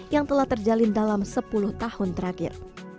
yang telah terjalin dalam sepuluh tahun terakhir